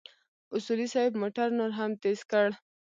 اصولي صیب موټر نور هم تېز کړ.